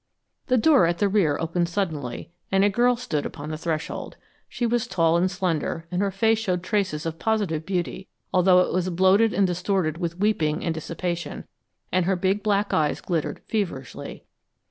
The door at the rear opened suddenly, and a girl stood upon the threshold. She was tall and slender, and her face showed traces of positive beauty, although it was bloated and distorted with weeping and dissipation, and her big black eyes glittered feverishly.